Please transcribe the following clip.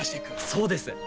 そうです！